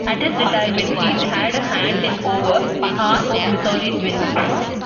At his retirement, he'd had a hand in over half of Missouri's wins.